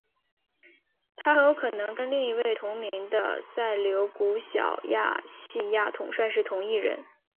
他很有可能跟另一位同名的塞琉古小亚细亚统帅是同一人。